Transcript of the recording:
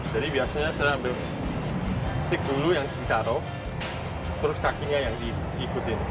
jadi biasanya saya ambil stick dulu yang ditaruh terus kakinya yang diikutin